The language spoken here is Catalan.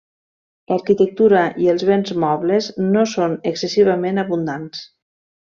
L'arquitectura i els béns mobles no són excessivament abundants.